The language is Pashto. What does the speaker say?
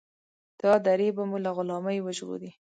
دا درې به مو له غلامۍ وژغوري.